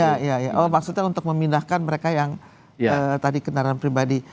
ya ya ya maksudnya untuk memindahkan mereka yang tadi kendaraan pribadi